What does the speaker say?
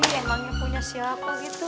emangnya punya siapa gitu